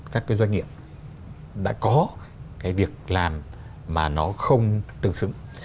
các cái doanh nghiệp đã có cái việc làm mà nó không tương xứng